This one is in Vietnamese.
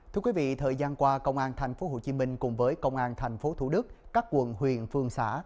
thưa quý vị thời gian qua công an tp hcm cùng với công an tp thủ đức các quận huyền phương xã